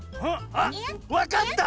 あっわかった！